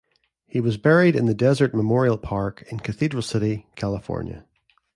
He was buried in the Desert Memorial Park in Cathedral City, California.